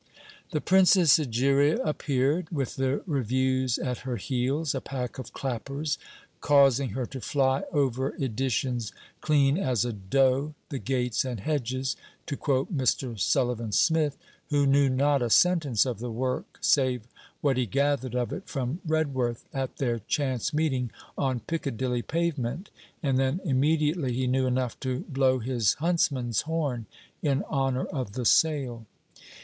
The PRINCESS EGERIA appeared, with the reviews at her heels, a pack of clappers, causing her to fly over editions clean as a doe the gates and hedges to quote Mr. Sullivan Smith, who knew not a sentence of the work save what he gathered of it from Redworth, at their chance meeting on Piccadilly pavement, and then immediately he knew enough to blow his huntsman's horn in honour of the sale.